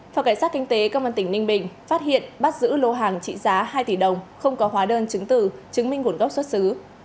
phòng cảnh sát kinh tế công an tỉnh ninh bình phát hiện bắt giữ lô hàng trị giá hai tỷ đồng không có hóa đơn chứng từ chứng minh nguồn gốc xuất xứ